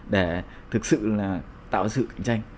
để thực sự là tạo ra sự cạnh tranh